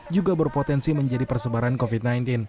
juga berpotensi menjadi persebaran covid sembilan belas